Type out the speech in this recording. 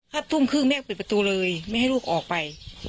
ทุ่มครึ่งแม่ปิดประตูเลยไม่ให้ลูกออกไป